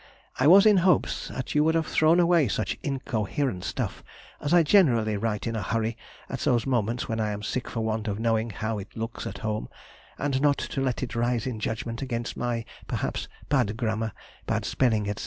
I was in hopes you would have thrown away such incoherent stuff, as I generally write in a hurry at those moments when I am sick for want of knowing how it looks at home, and not to let it rise in judgment against my, perhaps, bad grammar, bad spelling, &c.